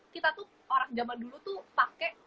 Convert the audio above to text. kita tuh orang zaman dulu tuh pakai